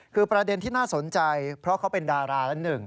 คือประเด็นที่น่าสนใจเพราะเขาเป็นดาราละหนึ่ง